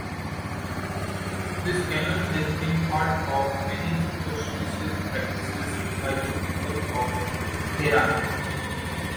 This cannon has been part of many superstitious practices by the people of Tehran.